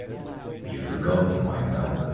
You've forgotten my milk.